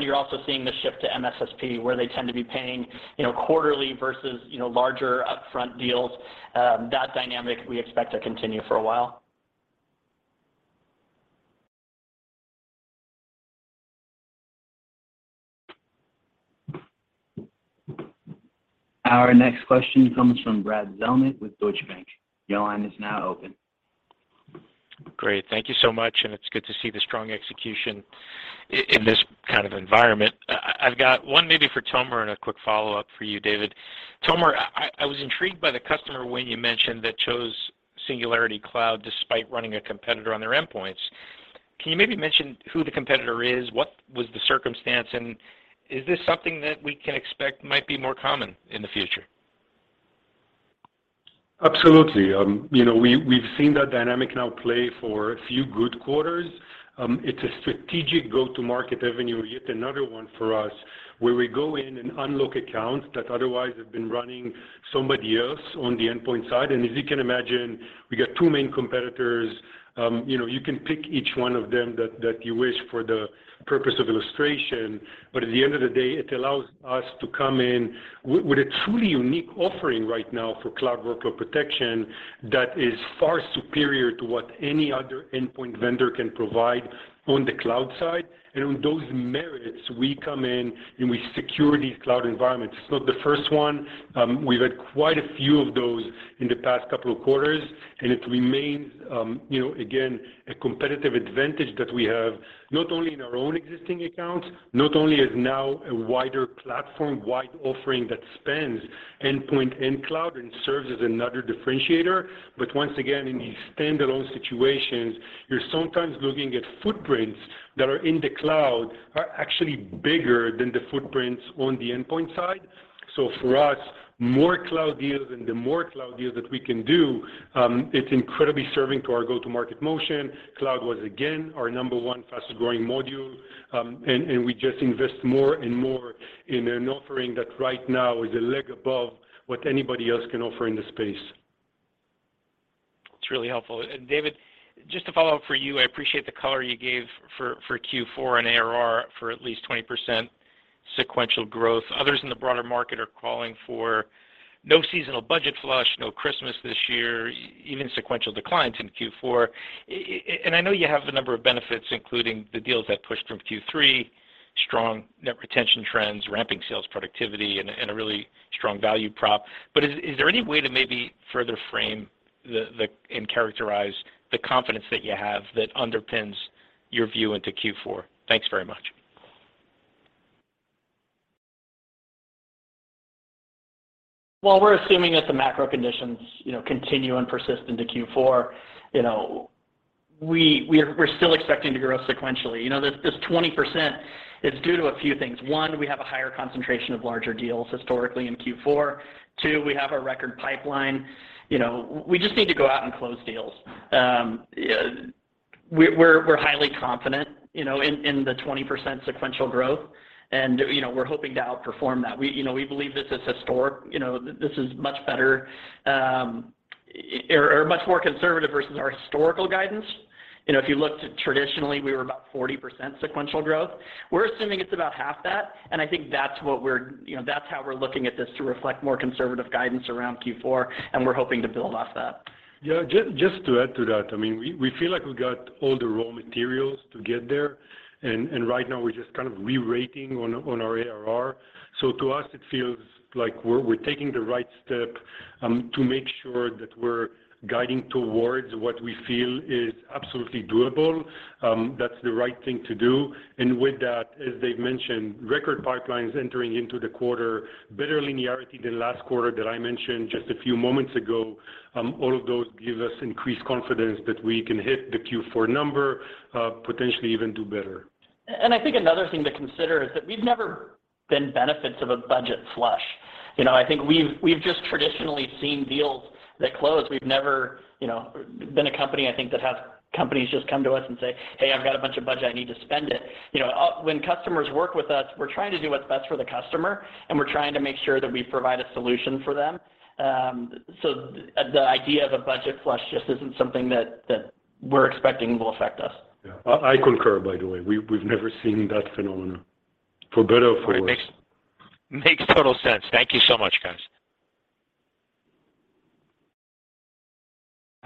You're also seeing the shift to MSSP, where they tend to be paying, you know, quarterly versus, you know, larger upfront deals. That dynamic we expect to continue for a while. Our next question comes from Brad Zelnick with Deutsche Bank. Your line is now open. Great. Thank you so much, and it's good to see the strong execution in this kind of environment. I've got one maybe for Tomer and a quick follow-up for you, David. Tomer, I was intrigued by the customer win you mentioned that chose Singularity Cloud despite running a competitor on their endpoints. Can you maybe mention who the competitor is? What was the circumstance? Is this something that we can expect might be more common in the future? Absolutely. You know, we've seen that dynamic now play for a few good quarters. It's a strategic go-to-market avenue, yet another one for us, where we go in and unlock accounts that otherwise have been running somebody else on the endpoint side. As you can imagine, we got two main competitors. You know, you can pick each one of them that you wish for the purpose of illustration, but at the end of the day, it allows us to come in with a truly unique offering right now for cloud workload protection that is far superior to what any other endpoint vendor can provide on the cloud side. On those merits, we come in, and we secure these cloud environments. It's not the first one. We've had quite a few of those in the past couple of quarters. It remains, you know, again, a competitive advantage that we have not only in our own existing accounts, not only is now a wider platform-wide offering that spans endpoint and cloud and serves as another differentiator. Once again, in these standalone situations, you're sometimes looking at footprints that are in the cloud are actually bigger than the footprints on the endpoint side. For us, more cloud deals and the more cloud deals that we can do, it's incredibly serving to our go-to-market motion. Cloud was again, our number one fastest growing module. We just invest more and more in an offering that right now is a leg above what anybody else can offer in the space. It's really helpful. David, just a follow-up for you. I appreciate the color you gave for Q4 and ARR for at least 20% sequential growth. Others in the broader market are calling for no seasonal budget flush, no Christmas this year, even sequential declines in Q4. I know you have a number of benefits, including the deals that pushed from Q3, strong net retention trends, ramping sales productivity, and a really strong value prop. Is there any way to maybe further frame and characterize the confidence that you have that underpins your view into Q4? Thanks very much. We're assuming that the macro conditions, you know, continue and persist into Q4. We're still expecting to grow sequentially. This 20% is due to a few things. One, we have a higher concentration of larger deals historically in Q4. Two, we have a record pipeline. We just need to go out and close deals. We're highly confident, you know, in the 20% sequential growth, and, you know, we're hoping to outperform that. We, you know, we believe this is historic. This is much better, or much more conservative versus our historical guidance. If you looked traditionally, we were about 40% sequential growth. We're assuming it's about half that. I think that's you know, that's how we're looking at this to reflect more conservative guidance around Q4. We're hoping to build off that. Yeah, just to add to that, I mean, we feel like we got all the raw materials to get there. Right now we're just kind of rerating on our ARR. To us, it feels like we're taking the right step to make sure that we're guiding towards what we feel is absolutely doable. That's the right thing to do. With that, as Dave mentioned, record pipelines entering into the quarter, better linearity than last quarter that I mentioned just a few moments ago, all of those give us increased confidence that we can hit the Q4 number, potentially even do better. I think another thing to consider is that we've never been benefits of a budget flush. You know, I think we've just traditionally seen deals that close. We've never, you know, been a company, I think, that has companies just come to us and say, "Hey, I've got a bunch of budget, I need to spend it." You know, when customers work with us, we're trying to do what's best for the customer, and we're trying to make sure that we provide a solution for them. The idea of a budget flush just isn't something that we're expecting will affect us. Yeah. I concur, by the way. We've never seen that phenomenon, for better or for worse. All right. Makes total sense. Thank you so much, guys.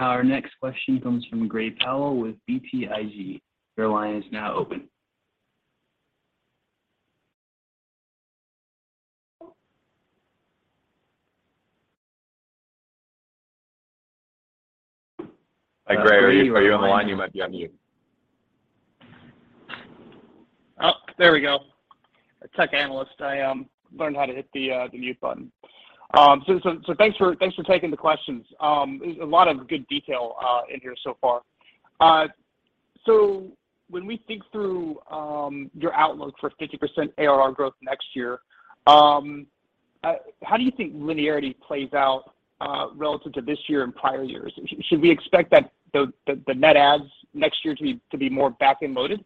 Our next question comes from Gray Powell with BTIG. Your line is now open. Hi, Gray. Are you on the line? You might be on mute. Oh, there we go. A tech analyst, I learned how to hit the mute button. Thanks for taking the questions. There's a lot of good detail in here so far. When we think through your outlook for 50% ARR growth next year, how do you think linearity plays out relative to this year and prior years? Should we expect that the net adds next year to be more back-end loaded?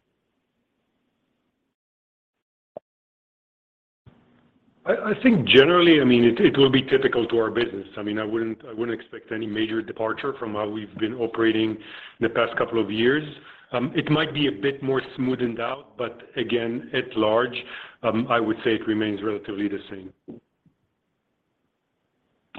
I think generally, I mean, it will be typical to our business. I mean, I wouldn't expect any major departure from how we've been operating the past couple of years. It might be a bit more smoothened out, but again, at large, I would say it remains relatively the same.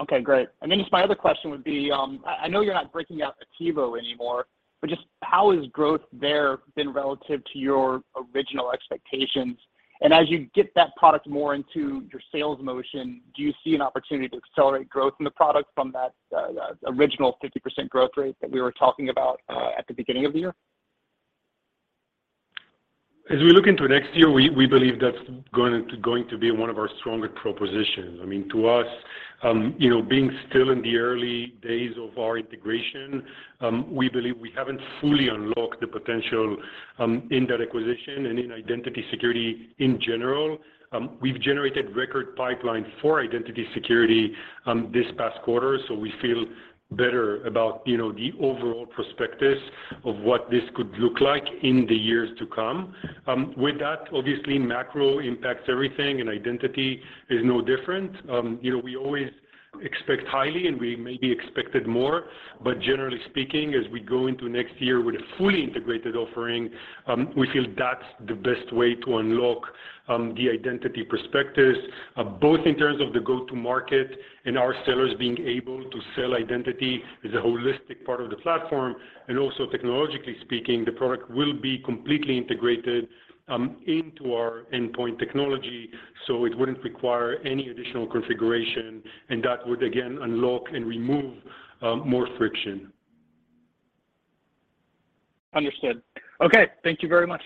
Okay, great. My other question would be, I know you're not breaking out Attivo anymore, but just how has growth there been relative to your original expectations? As you get that product more into your sales motion, do you see an opportunity to accelerate growth in the product from that original 50% growth rate that we were talking about at the beginning of the year? As we look into next year, we believe that's going to be one of our stronger propositions. I mean, to us, you know, being still in the early days of our integration, we believe we haven't fully unlocked the potential in that acquisition and in identity security in general. We've generated record pipeline for identity security this past quarter, so we feel better about, you know, the overall prospectus of what this could look like in the years to come. With that, obviously macro impacts everything, and identity is no different. You know, we always expect highly, and we maybe expected more. Generally speaking, as we go into next year with a fully integrated offering, we feel that's the best way to unlock the identity prospectus, both in terms of the go-to-market and our sellers being able to sell identity as a holistic part of the Platform. Also technologically speaking, the product will be completely integrated into our endpoint technology, so it wouldn't require any additional configuration, and that would again unlock and remove more friction. Understood. Okay, thank you very much.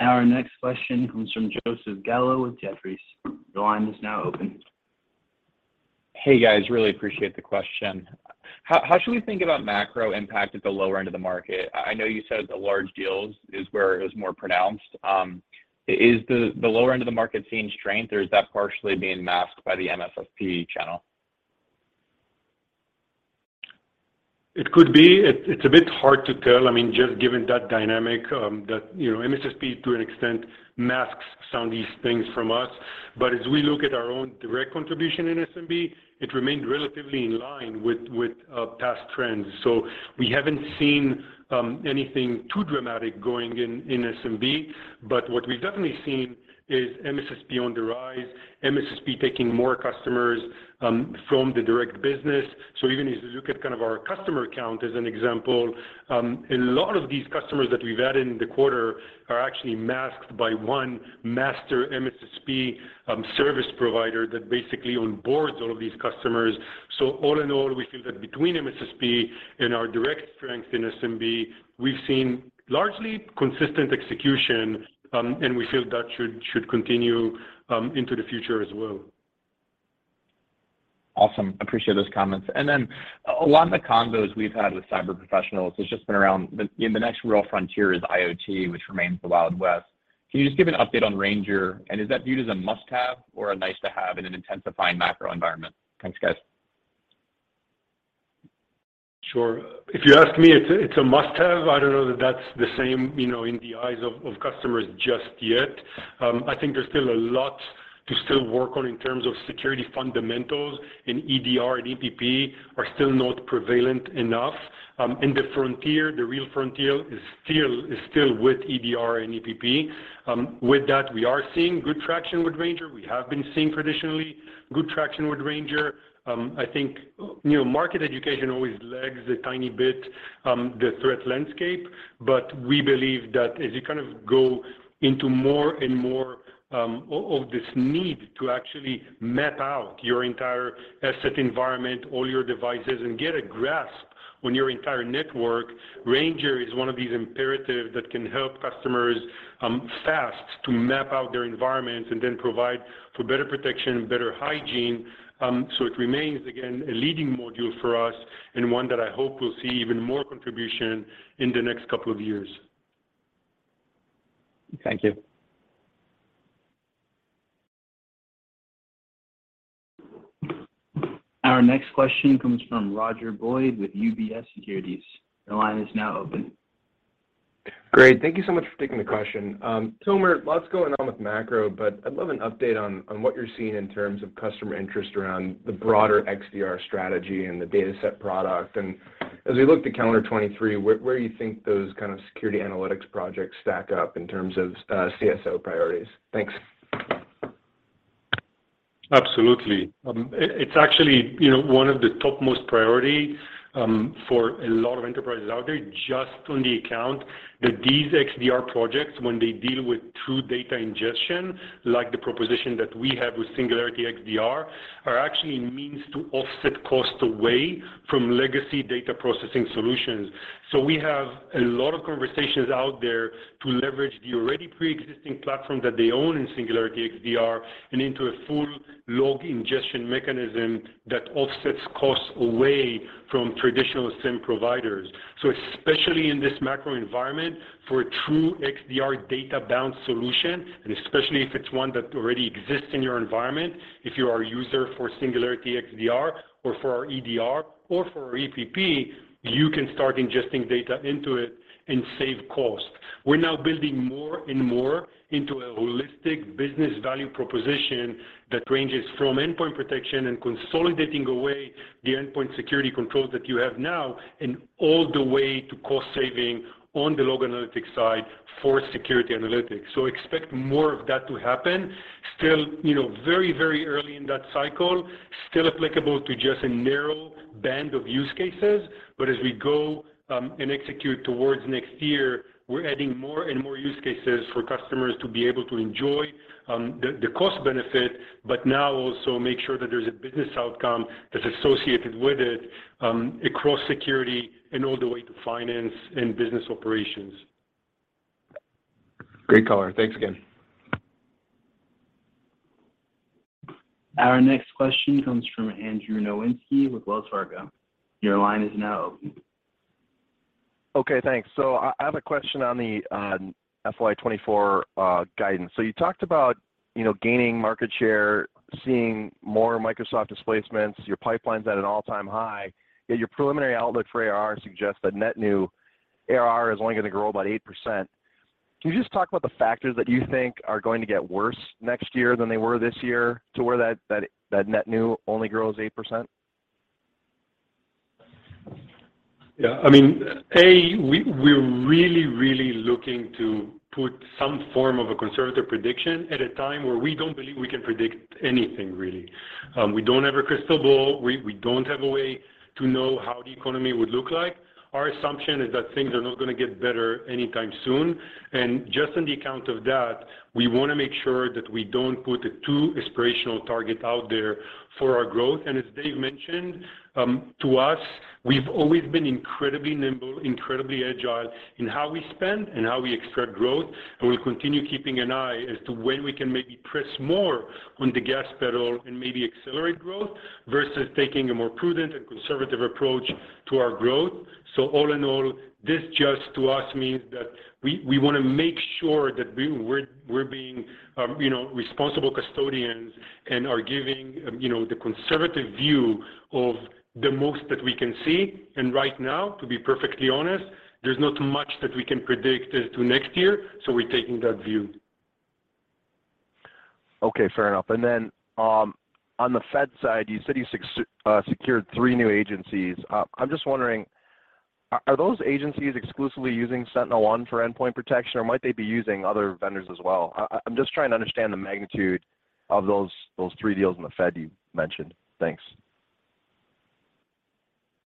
Our next question comes from Joseph Gallo with Jefferies. Your line is now open. Hey, guys. Really appreciate the question. How should we think about macro impact at the lower end of the market? I know you said the large deals is where it was more pronounced. Is the lower end of the market seeing strength, or is that partially being masked by the MSSP channel? It could be. It's a bit hard to tell. I mean, just given that dynamic, that, you know, MSSP to an extent masks some of these things from us. As we look at our own direct contribution in SMB, it remained relatively in line with past trends. We haven't seen anything too dramatic going in SMB, but what we've definitely seen is MSSP on the rise, MSSP taking more customers from the direct business. Even as you look at kind of our customer count as an example, a lot of these customers that we've had in the quarter are actually masked by one master MSSP service provider that basically onboards all of these customers. All in all, we feel that between MSSP and our direct strength in SMB, we've seen largely consistent execution, and we feel that should continue into the future as well. Awesome. Appreciate those comments. A lot of the convos we've had with cyber professionals has just been around the next real frontier is IoT, which remains the Wild West. Can you just give an update on Ranger? Is that viewed as a must-have or a nice to have in an intensifying macro environment? Thanks, guys. Sure. If you ask me, it's a must-have. I don't know that that's the same, you know, in the eyes of customers just yet. I think there's still a lot to still work on in terms of security fundamentals, and EDR and EPP are still not prevalent enough. The frontier, the real frontier is still with EDR and EPP. With that, we are seeing good traction with Ranger. We have been seeing traditionally good traction with Ranger. I think, you know, market education always lags a tiny bit, the threat landscape. We believe that as you kind of go into more and more of this need to actually map out your entire asset environment, all your devices, and get a grasp on your entire network, Ranger is one of these imperatives that can help customers fast to map out their environments and then provide for better protection and better hygiene. It remains, again, a leading module for us and one that I hope will see even more contribution in the next couple of years. Thank you. Our next question comes from Roger Boyd with UBS Securities. Your line is now open. Great. Thank you so much for taking the question. Tomer, lots going on with macro, but I'd love an update on what you're seeing in terms of customer interest around the broader XDR strategy and the DataSet product. As we look to calendar 2023, where do you think those kind of security analytics projects stack up in terms of CSO priorities? Thanks. Absolutely. It's actually, you know, one of the topmost priority for a lot of enterprises out there just on the account that these XDR projects, when they deal with true data ingestion, like the proposition that we have with Singularity XDR, are actually means to offset costs away from legacy data processing solutions. We have a lot of conversations out there to leverage the already preexisting platform that they own in Singularity XDR and into a full log ingestion mechanism that offsets costs away from traditional SIEM providers. Especially in this macro environment, for a true XDR data-bound solution, and especially if it's one that already exists in your environment, if you are a user for Singularity XDR or for our EDR or for our EPP, you can start ingesting data into it and save costs. We're now building more and more into a holistic business value proposition that ranges from endpoint protection and consolidating away the endpoint security controls that you have now and all the way to cost saving on the log analytic side for security analytics. Expect more of that to happen. Still, you know, very early in that cycle. Still applicable to just a narrow band of use cases. As we go and execute towards next year, we're adding more and more use cases for customers to be able to enjoy the cost benefit, but now also make sure that there's a business outcome that's associated with it across security and all the way to finance and business operations. Great call. Thanks again. Our next question comes from Andrew Nowinski with Wells Fargo. Your line is now open. I have a question on the FY 2024 guidance. You talked about, you know, gaining market share, seeing more Microsoft displacements. Your pipeline's at an all-time high, yet your preliminary outlook for ARR suggests that net new ARR is only gonna grow about 8%. Can you just talk about the factors that you think are going to get worse next year than they were this year to where that net new only grows 8%? Yeah. I mean, A, we're really looking to put some form of a conservative prediction at a time where we don't believe we can predict anything really. We don't have a crystal ball. We don't have a way to know how the economy would look like. Our assumption is that things are not gonna get better anytime soon. Just on the account of that, we wanna make sure that we don't put a too aspirational target out there for our growth. As Dave mentioned, to us, we've always been incredibly nimble, incredibly agile in how we spend and how we expect growth. We'll continue keeping an eye as to when we can maybe press more on the gas pedal and maybe accelerate growth versus taking a more prudent and conservative approach to our growth. All in all, this just to us means that we wanna make sure that we're being, you know, responsible custodians and are giving, you know, the conservative view of the most that we can see. Right now, to be perfectly honest, there's not much that we can predict as to next year, so we're taking that view. Okay, fair enough. On the Fed side, you said you secured 3 new agencies. I'm just wondering are those agencies exclusively using SentinelOne for endpoint protection, or might they be using other vendors as well? I'm just trying to understand the magnitude of those 3 deals in the Fed you mentioned. Thanks.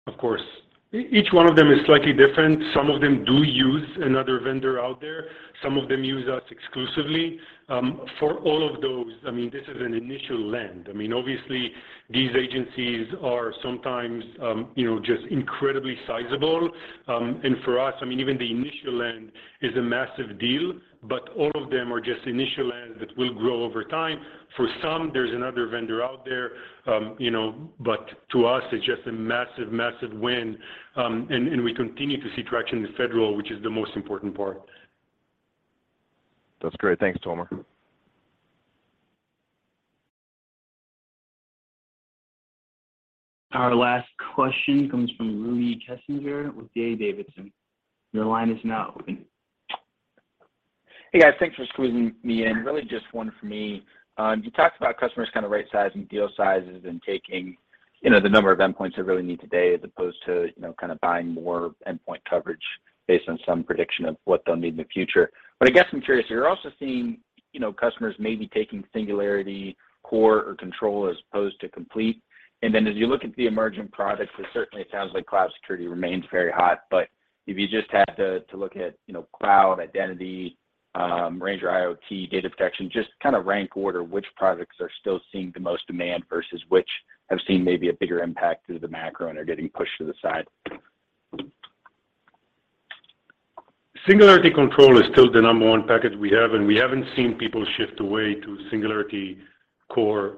Of course. Each one of them is slightly different. Some of them do use another vendor out there. Some of them use us exclusively. For all of those, I mean, this is an initial lend. I mean, obviously, these agencies are sometimes, you know, just incredibly sizable. And for us, I mean, even the initial lend is a massive deal, but all of them are just initial lends that will grow over time. For some, there's another vendor out there, you know, but to us, it's just a massive win, and we continue to see traction in federal, which is the most important part. That's great. Thanks, Tomer. Our last question comes from Rudy Kessinger with Davidson. Your line is now open. Hey, guys. Thanks for squeezing me in. Really just one for me. You talked about customers kinda right-sizing deal sizes and taking, you know, the number of endpoints they really need today as opposed to, you know, kinda buying more endpoint coverage based on some prediction of what they'll need in the future. I guess I'm curious, you're also seeing, you know, customers maybe taking Singularity Core or Control as opposed to Complete. Then as you look at the emerging products, it certainly sounds like cloud security remains very hot. If you just had to look at, you know, cloud identity, Ranger or IoT data protection, just kinda rank order which products are still seeing the most demand versus which have seen maybe a bigger impact through the macro and are getting pushed to the side. Singularity Control is still the number one package we have, and we haven't seen people shift away to Singularity Core,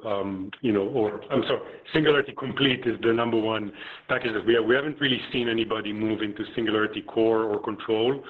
you know. I'm sorry. Singularity Complete is the number one package that we have. We haven't really seen anybody move into Singularity Core or Control.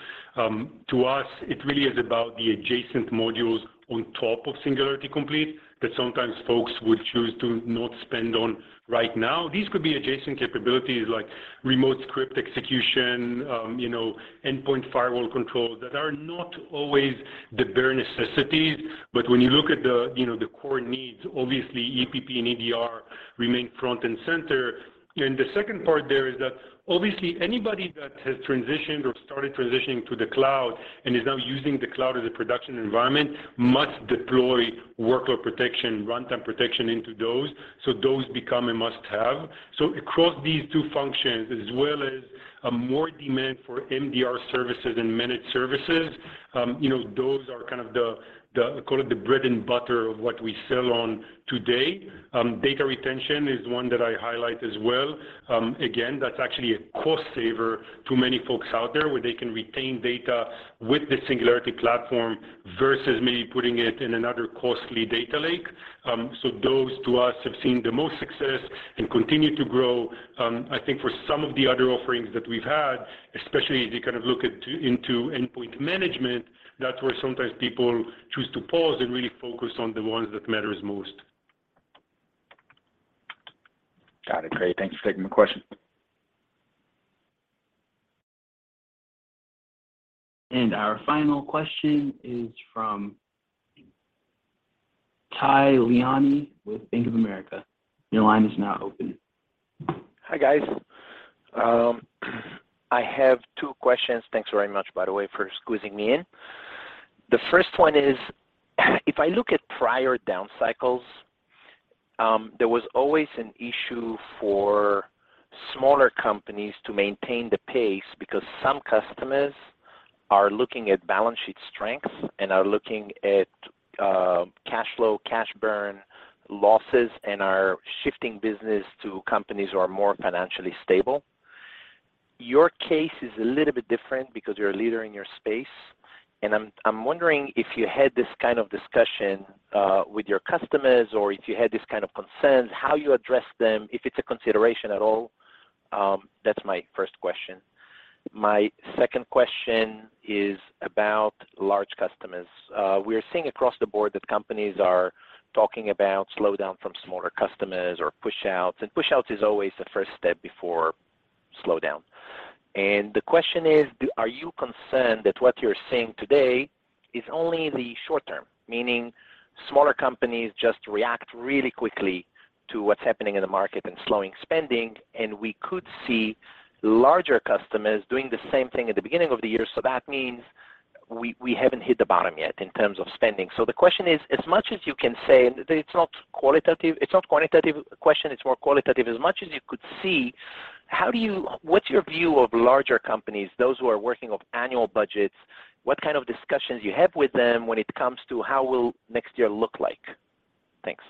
To us, it really is about the adjacent modules on top of Singularity Complete that sometimes folks would choose to not spend on right now. These could be adjacent capabilities like remote script execution, you know, endpoint firewall control that are not always the bare necessities. When you look at the, you know, the core needs, obviously EPP and EDR remain front and center. The second part there is that obviously anybody that has transitioned or started transitioning to the cloud and is now using the cloud as a production environment must deploy workload protection, runtime protection into those. Those become a must-have. Across these two functions, as well as a more demand for MDR services and managed services, you know, those are kind of the call it the bread and butter of what we sell on today. Data retention is one that I highlight as well. Again, that's actually a cost saver to many folks out there, where they can retain data with the Singularity Platform versus maybe putting it in another costly data lake. Those to us have seen the most success and continue to grow. I think for some of the other offerings that we've had, especially as you kind of look into endpoint management, that's where sometimes people choose to pause and really focus on the ones that matters most. Got it. Great. Thank you for taking the question. Our final question is from Tal Liani with Bank of America. Your line is now open. Hi, guys. I have two questions. Thanks very much, by the way, for squeezing me in. The first one is, if I look at prior down cycles, there was always an issue for smaller companies to maintain the pace because some customers are looking at balance sheet strengths and are looking at, cash flow, cash burn losses and are shifting business to companies who are more financially stable. Your case is a little bit different because you're a leader in your space, and I'm wondering if you had this kind of discussion, with your customers or if you had this kind of concerns, how you address them, if it's a consideration at all. That's my first question. My second question is about large customers. We are seeing across the board that companies are talking about slowdown from smaller customers or push-outs, and push-outs is always the first step before slowdown. The question is, are you concerned that what you're seeing today is only the short term, meaning smaller companies just react really quickly to what's happening in the market and slowing spending, and we could see larger customers doing the same thing at the beginning of the year. That means we haven't hit the bottom yet in terms of spending. The question is, as much as you can say, it's not quantitative question, it's more qualitative. As much as you could see, what's your view of larger companies, those who are working off annual budgets? What kind of discussions you have with them when it comes to how will next year look like? Thanks.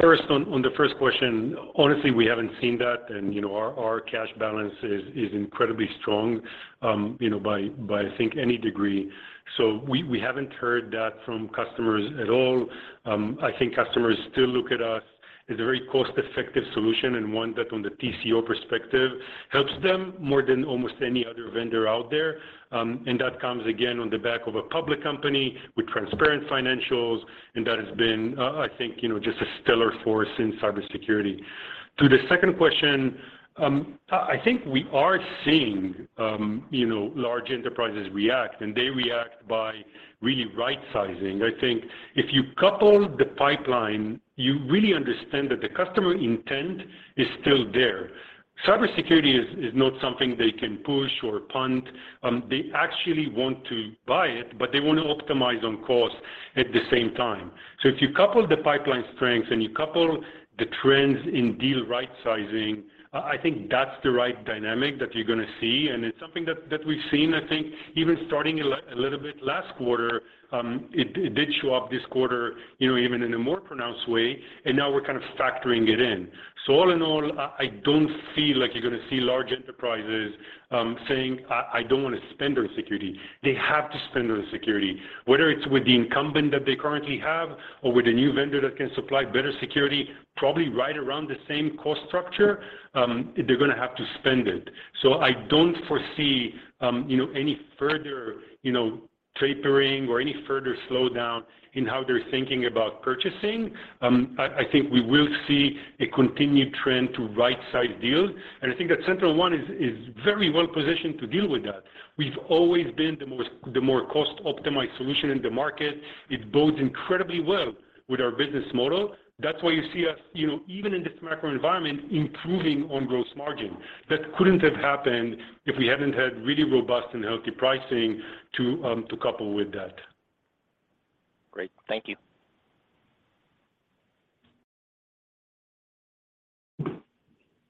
First, on the first question, honestly, we haven't seen that and, you know, our cash balance is incredibly strong, you know, by I think any degree. We haven't heard that from customers at all. I think customers still look at usIs a very cost-effective solution and one that on the TCO perspective helps them more than almost any other vendor out there. That comes again on the back of a public company with transparent financials, and that has been, I think, you know, just a stellar force in cybersecurity. To the second question, I think we are seeing, you know, large enterprises react, and they react by really rightsizing. I think if you couple the pipeline, you really understand that the customer intent is still there. Cybersecurity is not something they can push or punt. They actually want to buy it, but they want to optimize on cost at the same time. If you couple the pipeline strength and you couple the trends in deal rightsizing, I think that's the right dynamic that you're gonna see, and it's something that we've seen, I think even starting a little bit last quarter. It did show up this quarter, you know, even in a more pronounced way, and now we're kind of factoring it in. All in all, I don't feel like you're gonna see large enterprises saying, "I don't wanna spend on security." They have to spend on security, whether it's with the incumbent that they currently have or with a new vendor that can supply better security, probably right around the same cost structure, they're gonna have to spend it. I don't foresee, you know, any further, you know, tapering or any further slowdown in how they're thinking about purchasing. I think we will see a continued trend to right-size deals, and I think that SentinelOne is very well positioned to deal with that. We've always been the more cost-optimized solution in the market. It bodes incredibly well with our business model. That's why you see us, you know, even in this macro environment, improving on gross margin. That couldn't have happened if we hadn't had really robust and healthy pricing to couple with that. Great. Thank you.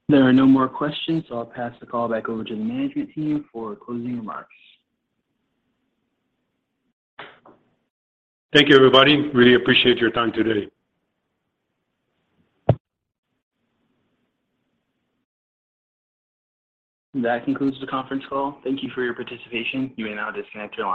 There are no more questions. I'll pass the call back over to the management team for closing remarks. Thank you, everybody. Really appreciate your time today. That concludes the conference call. Thank you for your participation. You may now disconnect your lines.